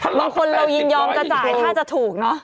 บางคนเรายินยอมจะจ่ายถ้าจะถูกเนอะ